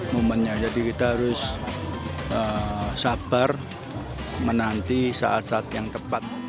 momennya jadi kita harus sabar menanti saat saat yang tepat